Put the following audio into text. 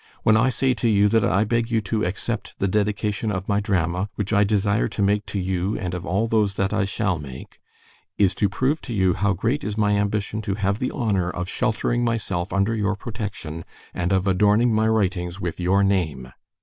When I say to you that I beg you to accept the dedication of my drama which I desire to make to you and of all those that I shall make, is to prove to you how great is my ambition to have the honor of sheltering myself under your protection, and of adorning my writings with your name.